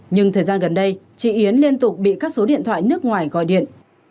nhưng thời gian gần đây chị yến liên tục bị các số điện thoại nước ngoài gọi điện